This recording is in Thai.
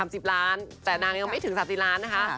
กรอตเตอรี่๓๐ล้านแต่นางยังไม่ถึง๓๐ล้านนะคะ